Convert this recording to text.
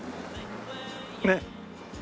ねっ。